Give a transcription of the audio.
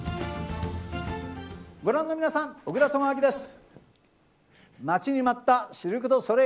ご覧の皆さん小倉智昭です。